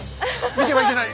見てはいけない！